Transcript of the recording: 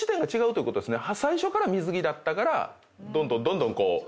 最初から水着だったからどんどんどんどんこう。